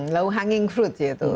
lalu hanging fruit ya itu